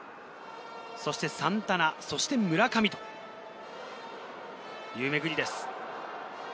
そしてサンタナ、そして村上というめぐりです。